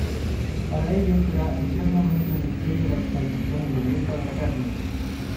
para ellos será eternamente un misterio la exaltación gloriosa de la carne.